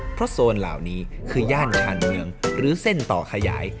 เพราะโซนเหล่านี้คือย่านชานเมืองหรือเส้นต่อขยาย